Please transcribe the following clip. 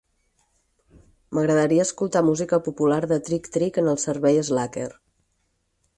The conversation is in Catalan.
M'agradaria escoltar música popular de Trick-trick en el servei Slacker.